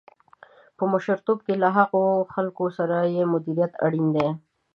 په مشرتوب کې له هغو خلکو سره یې مديريت اړين دی.